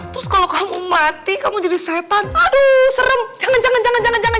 terus kalau kamu mati kamu jadi setan aduh serem jangan jangan jangan